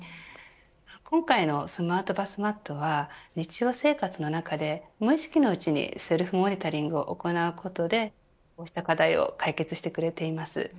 今回のスマートバスマットは日常生活の中で無意識のうちにセルフモニタリングを行うことでこうした課題を解決してくれています。